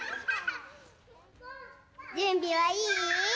じゅんびはいい？